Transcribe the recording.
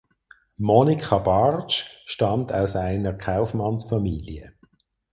Monika Bartsch stammt aus einer Kaufmannsfamilie.